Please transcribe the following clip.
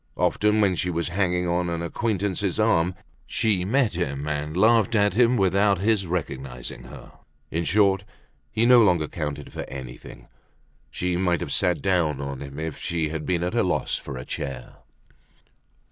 Often when she was hanging on an acquaintance's arm she met him and laughed at him without his recognizing her. In short, he no longer counted for anything; she might have sat down on him if she had been at a loss for a chair.